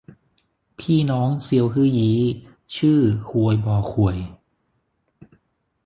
พี่น้องเซียวฮื่อยี้ ชื่อฮวยบ่อข่วย